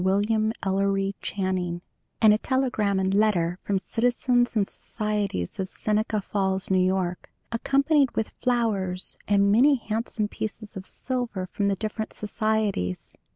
William Ellery Channing, and a telegram and letter from citizens and societies of Seneca Falls, New York, accompanied with flowers and many handsome pieces of silver from the different societies.